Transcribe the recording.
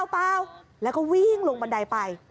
เปล่าแล้วก็วิ่งลงบันไดไป